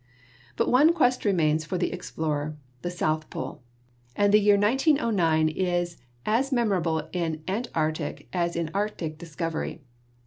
But one quest remains for the explorer — the South Pole — and the year 1909 is as memorable in Antarctic as in Arctic discovery.